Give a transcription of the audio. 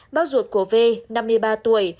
bác ruột của v năm mươi ba tuổi